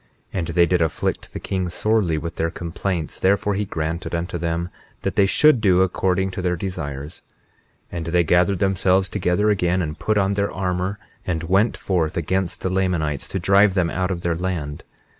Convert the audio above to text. And they did afflict the king sorely with their complaints; therefore he granted unto them that they should do according to their desires. 21:7 And they gathered themselves together again, and put on their armor, and went forth against the Lamanites to drive them out of their land.